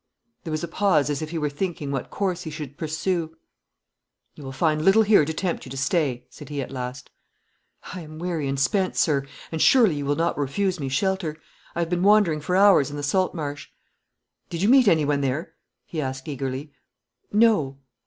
There was a pause as if he were thinking what course he should pursue. 'You will find little here to tempt you to stay,' said he at last. 'I am weary and spent, sir; and surely you will not refuse me shelter. I have been wandering for hours in the salt marsh.' 'Did you meet anyone there?' he asked eagerly. 'No.'